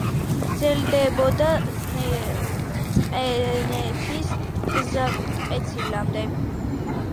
გრძელდებოდა წყნეთის გზატკეცილამდე.